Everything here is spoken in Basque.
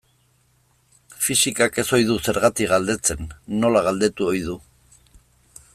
Fisikak ez ohi du zergatik galdetzen, nola galdetu ohi du.